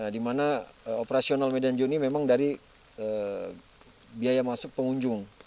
dimana operasional medan zoo ini memang dari biaya masuk pengunjung